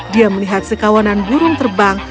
dia melihat sekawanan burung terbang